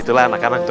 itu lah anak anak tuh